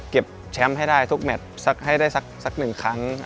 แชมป์ให้ได้ทุกแมทให้ได้สักหนึ่งครั้ง